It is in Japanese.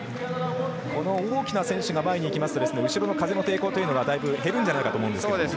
この大きな選手が前にいきますと後ろの風の抵抗がだいぶ減るんじゃないかと思います。